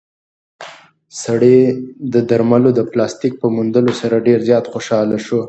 سړی د درملو د پلاستیک په موندلو سره ډېر زیات خوشحاله شو.